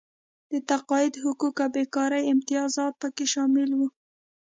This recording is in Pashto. د تقاعد حقوق او بېکارۍ امتیازات پکې شامل وو.